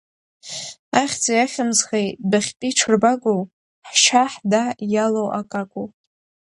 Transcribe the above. Ахьӡи ахьымӡӷи дәахьтәи ҽырбагоу, ҳшьа-ҳда иалоу акакәу?!